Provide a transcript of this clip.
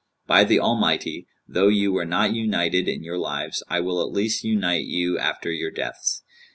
by the Almighty, though you were not united in your lives, I will at least unite you after your deaths.'